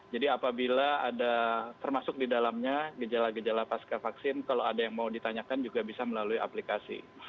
jadi apabila ada termasuk di dalamnya gejala gejala pasca vaksin kalau ada yang mau ditanyakan juga bisa melalui aplikasi